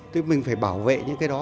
thế mình phải bảo vệ những cái đó